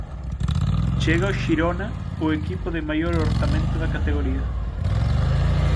Chega o Xirona, o equipo de maior orzamento da categoría.